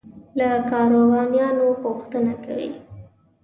له کاروانیانو پوښتنه کوي.